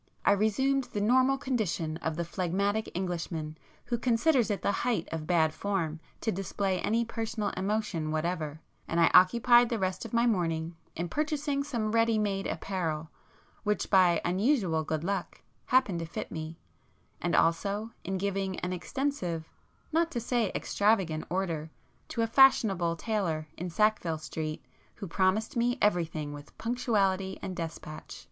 I resumed the normal condition of the phlegmatic Englishman who considers it the height of bad form to display any personal emotion whatever, and I occupied the rest of the morning in purchasing some ready made apparel which by unusual good luck happened to fit me, and also in giving an extensive, not to say extravagant order to a fashionable tailor in Sackville Street who promised me everything with punctuality and despatch.